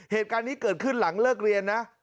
เหตุการณ์นี้เกิดขึ้นหลังเลิกเรียนนะ